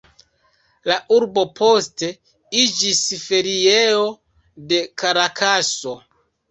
La urbo poste iĝis feriejo de Karakaso.